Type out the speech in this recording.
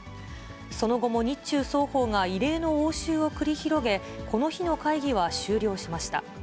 その後も日中双方が異例の応酬を繰り広げ、この日の会議は終了しました。